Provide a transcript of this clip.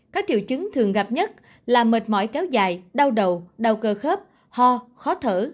các triệu chứng thường gặp nhất là mệt mỏi kéo dài đau đầu đau cơ khớp ho khó thở